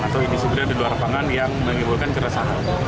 atau indisipliner di luar lapangan yang mengiburkan keresahan